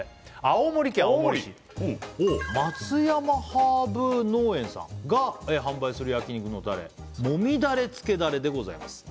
青森おお松山ハーブ農園さんが販売する焼肉のたれもみだれ／つけだれでございます